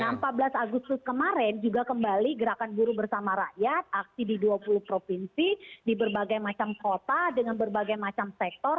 nah empat belas agustus kemarin juga kembali gerakan buruh bersama rakyat aksi di dua puluh provinsi di berbagai macam kota dengan berbagai macam sektor